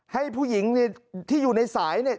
ให้ผู้หญิงที่อยู่ในสายเนี่ย